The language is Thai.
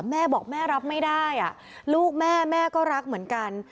แม่บอกแม่รับไม่ได้ลูกแม่แม่ก็รักเหมือนกัน